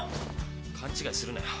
勘違いするなよ。